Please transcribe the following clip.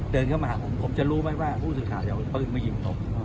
เดินเข้ามาหาผมผมจะรู้ไหมว่าผู้สื่อข่าวจะเอาปืนมายิงผม